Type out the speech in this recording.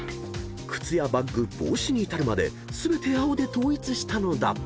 ［靴やバッグ帽子に至るまで全て青で統一したのだ］